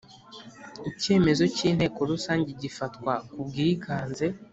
Icyemezo cy Inteko Rusange gifatwa ku bwiganze